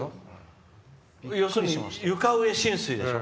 要するに床上浸水でしょ。